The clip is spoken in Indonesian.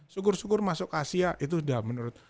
syukur syukur masuk ke asia itu sudah menurut